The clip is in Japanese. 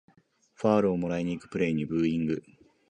ファールをもらいにいくプレイにブーイング